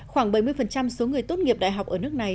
khoảng bảy mươi số người tốt nghiệp đại học ở nước này